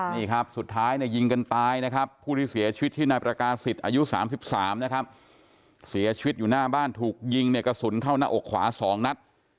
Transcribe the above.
นี่ครับสุดท้ายเนี่ยยิงกันตายนะครับผู้ที่เสียชีวิตชื่อนายประกาศิษย์อายุ๓๓นะครับเสียชีวิตอยู่หน้าบ้านถูกยิงเนี่ยกระสุนเข้าหน้าอกขวา๒นัด